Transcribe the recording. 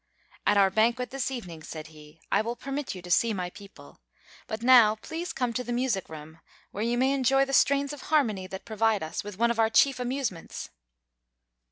"At our banquet, this evening," said he, "I will permit you to see my people. But now please come to the music room, where you may enjoy the strains of harmony that provide us with one of our chief amusements."